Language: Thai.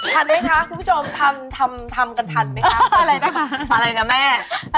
ทันไหมคะคุณผู้ชมทำกันทันไหมคะ